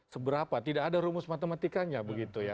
seberapa tidak ada rumus matematikanya begitu ya